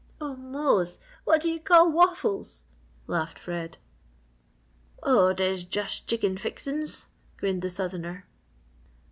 "Oh Mose! What do you call waffles?" laughed Fred. "Oh, de's jus' chicken fixin's!" grinned the southerner.